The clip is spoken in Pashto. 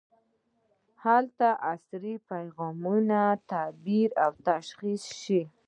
هلته عصبي پیغامونه تعبیر او تشخیص شي.